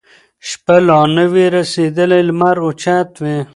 شپه لا نه وي رسېدلې لمر اوچت وي